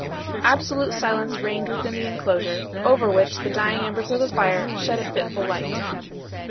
Absolute silence reigned within the inclosure, over which the dying embers of the fire shed a fitful light.